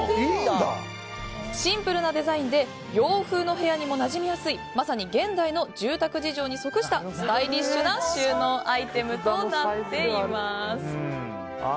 シンプルなデザインで洋風の部屋にもなじみやすいまさに現代の住宅事情に即したスタイリッシュな収納アイテムとなっています。